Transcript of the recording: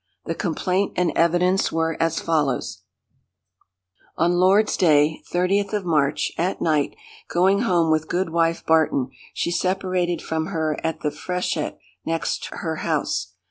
The complaint and evidence were as follows:— "On Lord's day, 30th of March, at night, going home with Goodwife Barton, she separated from her at the freshet next her house.